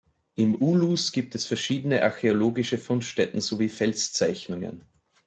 Im Ulus gibt es verschiedene archäologische Fundstätten sowie Felszeichnungen.